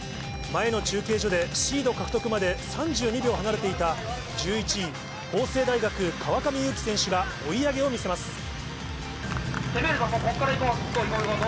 前の中継所でシード獲得まで３２秒離れていた１１位、法政大学、川上有生選手が追い上げを見せます。